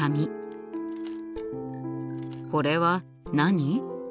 これは何？